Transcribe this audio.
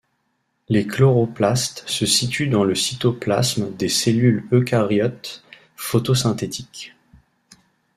Les chloroplastes se situent dans le cytoplasme des cellules eucaryotes photosynthétiques.